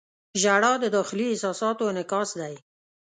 • ژړا د داخلي احساساتو انعکاس دی.